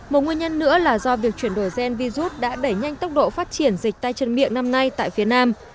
một nguyên nhân nữa là do việc chuyển đổi gen virus đã đẩy nhanh tốc độ phát triển dịch tay chân miệng năm nay tại phía nam